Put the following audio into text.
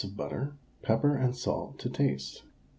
of butter, pepper and salt to taste.